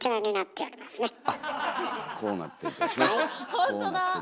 ほんとだ。